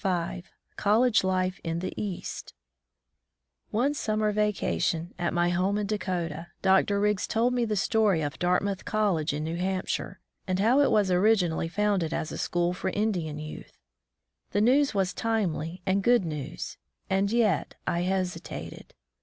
60 COLLEGE LIFE IN THE EAST /^NE summer vacation, at my home in ^^ Dakota, Dr. Riggs told me the story of Dartmouth College in New Hampshire, and how it was originally founded as a school for Indian youth. The news was timely and good news ; and yet I hesitated.